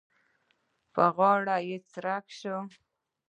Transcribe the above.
په غاړه یې څړيکه شوه.